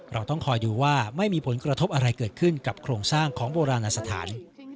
เราต้องคอยดูว่าไม่มีผลกระทบอะไรเกิดขึ้นกับโครงสร้างของโบราณสถาน